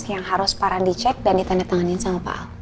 yang harus parah dicek dan ditandatanganin sama pak al